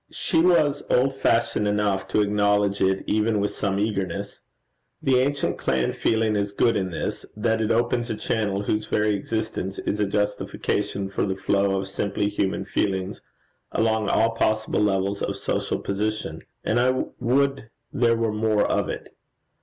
She was old fashioned enough to acknowledge it even with some eagerness. The ancient clan feeling is good in this, that it opens a channel whose very existence is a justification for the flow of simply human feelings along all possible levels of social position. And I would there were more of it.